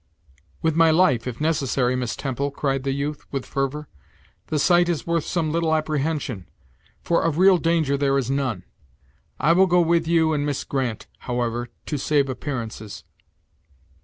"With my life, if necessary, Miss Temple," cried the youth, with fervor. "The sight is worth some little apprehension; for of real danger there is none, I will go with you and Miss Grand, however, to save appearances."